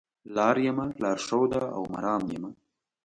لار یمه لار ښوده او مرام یمه